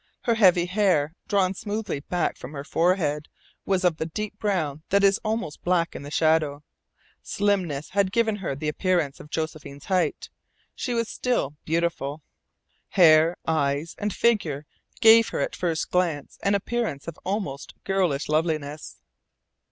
Her heavy hair, drawn smoothly back from her forehead, was of the deep brown that is almost black in the shadow. Slimness had given her the appearance of Josephine's height. She was still beautiful. Hair, eyes, and figure gave her at first glance an appearance of almost girlish loveliness.